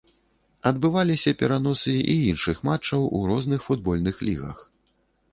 Адбываліся пераносы і іншых матчаў у розных футбольных лігах.